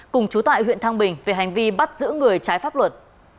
cùng chú tại huyện thang bình về hành vi bắt giữ người trái pháp luật